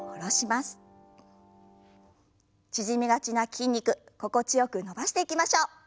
縮みがちな筋肉心地よく伸ばしていきましょう。